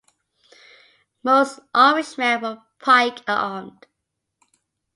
Most Irishmen were pike armed.